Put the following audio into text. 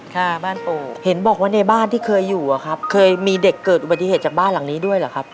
ค่ะบ้านปู่เห็นบอกว่าในบ้านที่เคยอยู่อะครับเคยมีเด็กเกิดอุบัติเหตุจากบ้านหลังนี้ด้วยเหรอครับ